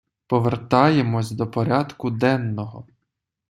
Повертаємось до порядку денного.